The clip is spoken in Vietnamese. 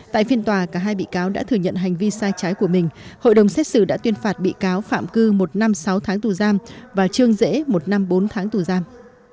tại phiên tòa cả hai bị cáo đã thừa nhận hành vi sai trái của mình hội đồng xét xử đã tuyên phạt bị cáo phạm cư một năm sáu tháng tù giam và trương dễ một năm bốn tháng tù giam